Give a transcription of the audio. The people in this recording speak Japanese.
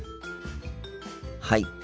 はい。